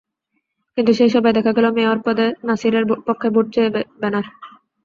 কিন্তু সেই সভায় দেখা গেল মেয়র পদে নাছিরের পক্ষে ভোট চেয়ে ব্যানার।